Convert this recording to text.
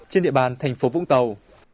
trên địa bàn thành phố vũng tàu